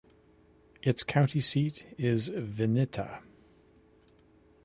Its county seat is Vinita.